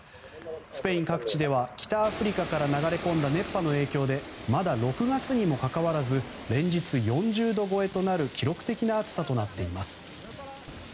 スペイン各地では北アフリカから流れ込んだ熱波の影響でまだ６月にもかかわらず連日４０度超えとなる記録的な暑さとなっています。